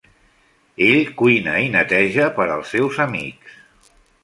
Ell cuina i neteja per als seus amics.